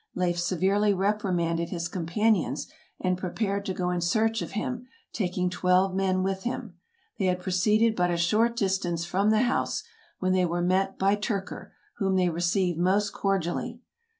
Leif severely repri manded his companions, and prepared to go in search of him, taking twelve men with him. They had proceeded but a short distance from the house, when they were met by Tyrker, whom they received most cordially.